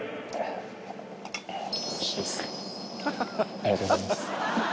ありがとうございます。